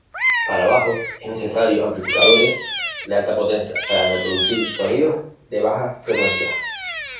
Para bajos, es necesario amplificadores de alta potencia para reproducir sonidos de bajas frecuencias.